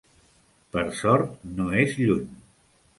Per sort, no és lluny.